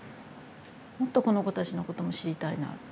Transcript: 「もっとこの子たちのことも知りたいな」。